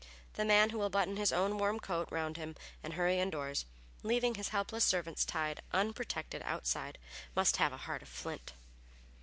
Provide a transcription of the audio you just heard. The man who will button his own warm coat around him and hurry indoors, leaving his helpless servants tied unprotected outside, must have a heart of flint.